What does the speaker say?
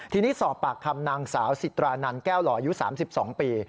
ทีนี้สอบปากคำนางสาวสิตรานันแก้วหล่ออายุ๓๒ปี